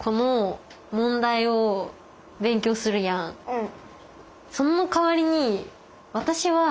うん。